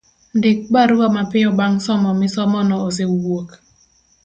Ndik barua mapiyo bang' somo misomono osewuok